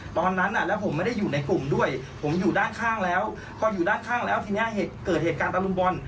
ตอนนั้นแล้วผมไม่ได้อยู่ในกลุ่มด้วยผมอยู่ด้านข้างแล้วพออยู่ด้านข้างแล้วทีนี้เกิดเหตุการณ์ตะลุมบอล